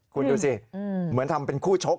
คุณดูสิเหมือนทำเป็นคู่ชก